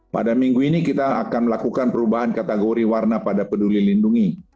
pada minggu ini kita akan melakukan perubahan kategori warna pada peduli lindungi